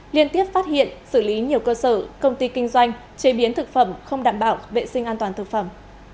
liên tiếp phát hiện xử lý nhiều cơ sở công ty kinh doanh chế biến thực phẩm không đảm bảo vệ sinh an toàn thực phẩm